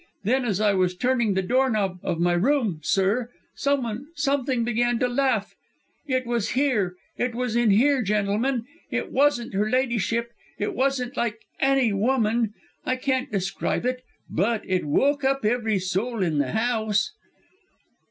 Then, as I was turning the doorknob of my room, sir someone, something, began to laugh! It was in here; it was in here, gentlemen! It wasn't her ladyship; it wasn't like any woman. I can't describe it; but it woke up every soul in the house."